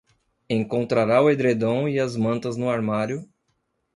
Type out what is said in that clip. Encontrará o edredom e as mantas no armário